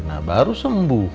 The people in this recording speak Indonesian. nah baru sembuh